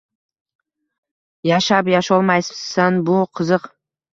Yashab yasholmaysan, bu qiziq